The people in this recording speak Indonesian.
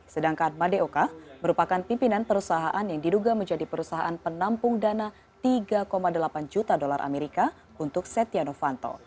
sedangkan madeoka merupakan pimpinan perusahaan yang diduga menjadi perusahaan penampung dana tiga delapan juta dolar amerika untuk setia novanto